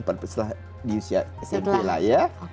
setelah diusia smp lah ya